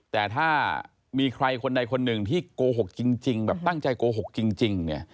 แต่ถ้ามีใครคนใดคนหนึ่งที่โกหกจริงแบบตั้งใจโกหกจริงเนี่ย